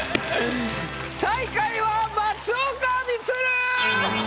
最下位は松岡充！